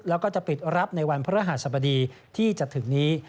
แล้วก็จะปิดรับในวันพระรหัสบดีที่จะถึงนี้